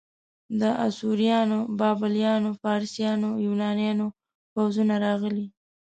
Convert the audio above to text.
د اسوریانو، بابلیانو، فارسیانو، یونانیانو پوځونه راغلي.